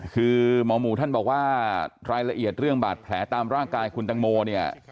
คือหมอหมูท่านบอกว่ารายละเอียดเรื่องบาดแผลตามร่างกายคุณตังโมเนี่ย